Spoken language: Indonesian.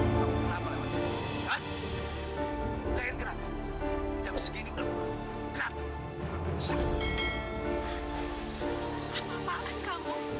kamu mabuk mabukan lagi tore